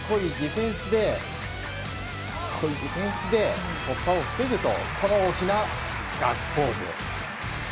しつこいディフェンスで突破を防ぐとこの大きなガッツポーズ！